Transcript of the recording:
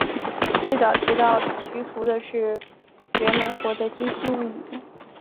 最早提到徐福的是源隆国的今昔物语。